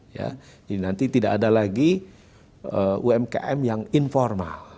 jadi nanti tidak ada lagi umkm yang informal